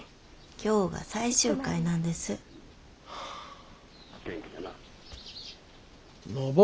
今日が最終回なんです。はあ。昇。